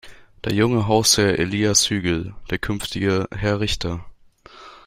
Der junge Hausherr Elias Hügel, der künftige Herr Richter.